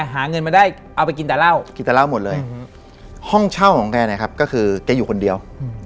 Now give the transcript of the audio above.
ห้องเช่าแกของแกก็อยู่คนเดียว